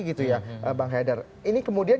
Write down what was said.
gitu ya bang haidar ini kemudian